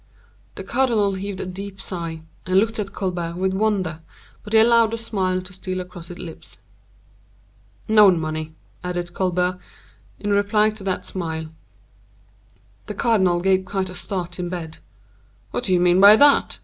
The cardinal heaved a deep sigh, and looked at Colbert with wonder, but he allowed a smile to steal across his lips. "Known money," added Colbert, in reply to that smile. The cardinal gave quite a start in bed. "What do you mean by that?"